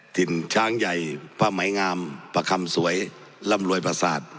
ถิ่นช้างใหญ่พระไหมงามพระคำสวยลำรวยภาษา